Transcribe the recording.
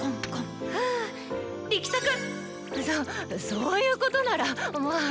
そういうことならまぁ。